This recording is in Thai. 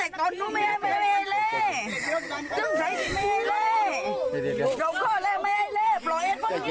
ต้องก็ไม่มีเมล่าเลยปล่อยก็ไม่มีเมล่าเลย